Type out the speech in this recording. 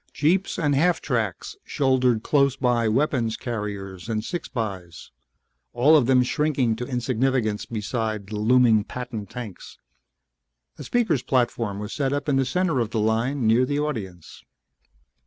Jeeps and half tracks shouldered close by weapons carriers and six bys, all of them shrinking to insignificance beside the looming Patton tanks. A speakers' platform was set up in the center of the line, near the audience.